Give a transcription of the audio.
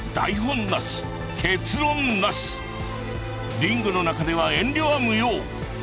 リングの中では遠慮は無用。